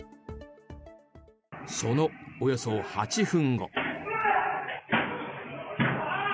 そのおよそ８分後。